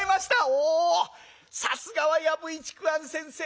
「おさすがは藪井竹庵先生！